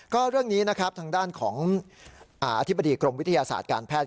ก็เรื่องนี้นะครับทางด้านของอธิบดีกรมวิทยาศาสตร์การแพทย์